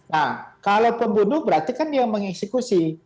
nah kalau pembunuh berarti kan dia mengeksekusi